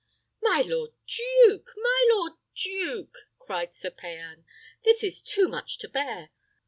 "My lord duke! my lord duke!" cried Sir Payan, "this is too much to bear.